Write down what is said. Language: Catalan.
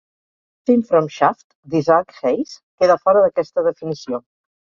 "Theme From Shaft" d'Isaac Hayes queda fora d'aquesta definició.